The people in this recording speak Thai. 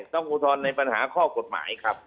อุทธรณ์ในปัญหาข้อกฎหมายครับ